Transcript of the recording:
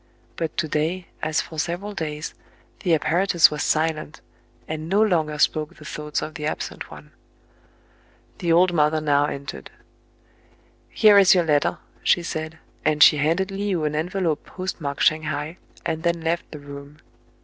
But to day, as for several days, the apparatus was silent, and no longer spoke the thoughts of the absent one. The old mother now entered. " Here is your letter," she said ; and she handed Le ou an envelope postmarked Shang hai, and then left the room.